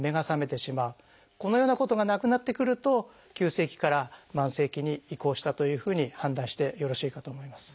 このようなことがなくなってくると急性期から慢性期に移行したというふうに判断してよろしいかと思います。